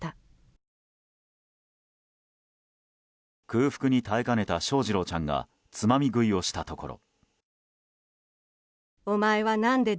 空腹に耐えかねた翔士郎ちゃんがつまみ食いをしたところ。